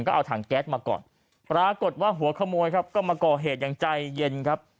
ก็เอาถังแก๊สมาก่อนปรากฏว่าหัวขโมยครับก็มาก่อเหตุอย่างใจเย็นครับ